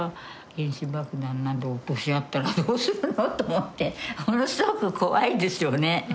原子爆弾など落とし合ったらどうするのと思ってものすごく怖いですよね。